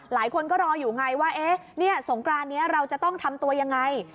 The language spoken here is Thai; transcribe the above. หลายคนก็รออยู่ไงว่าสงกรานนี้เราจะต้องทำตัวยังไง